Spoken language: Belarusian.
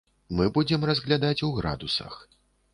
Мы будзем разглядаць у градусах.